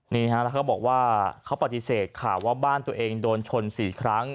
นี่ฮะแล้วเขาบอกว่าเขาปฏิเสธข่าวว่าบ้านตัวเองโดนชน๔ครั้ง